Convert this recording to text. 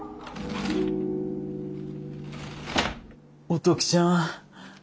お時ちゃん